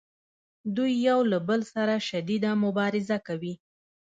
دوی یو له بل سره شدیده مبارزه کوي